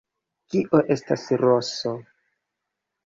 Kio estas roso?